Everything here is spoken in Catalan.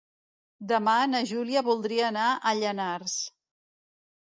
Demà na Júlia voldria anar a Llanars.